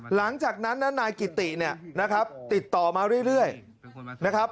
หลังจากนั้นนะนายกิติเนี่ยนะครับติดต่อมาเรื่อยนะครับ